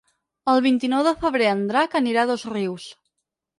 El vint-i-nou de febrer en Drac anirà a Dosrius.